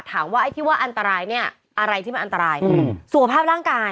ไอ้ที่ว่าอันตรายเนี่ยอะไรที่มันอันตรายสุขภาพร่างกาย